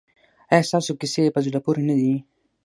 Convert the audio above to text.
ایا ستاسو کیسې په زړه پورې نه دي؟